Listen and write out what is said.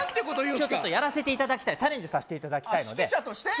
今日ちょっとやらせていただきたいチャレンジさせていただきたいのであっ指揮者として？